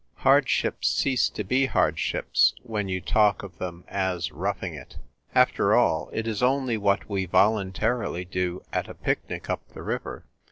Hardships cease to be hardships when you talk of them as roughing it. After all, it is only what we voluntarily do at a picnic up the river.